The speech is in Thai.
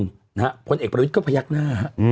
เพราะพ่อเอกบรณวิดก็พยักนา